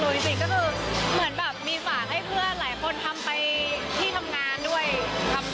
เหมือนแบบมีฝากให้เพื่อนหลายคนทำไปที่ทำงานด้วย